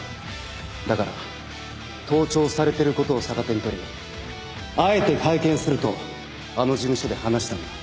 だから盗聴されてることを逆手に取りあえて会見するとあの事務所で話したんだ。